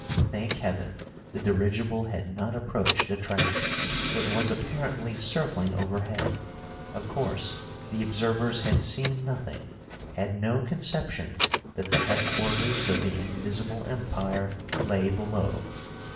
Thank heaven the dirigible had not approached the trap. It was apparently circling overhead. Of course the observers had seen nothing, had no conception that the headquarters of the Invisible Empire lay below.